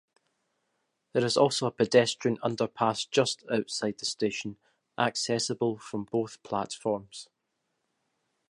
There is also a pedestrian underpass just outside the station, accessible from both platforms.